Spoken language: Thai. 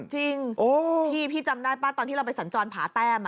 จริงพี่จำได้ป่ะตอนที่เราไปสัญจรผาแต้ม